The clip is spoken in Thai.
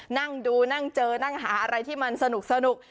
นั่งดูนั่งเจอนั่งหาอะไรที่มันสนุก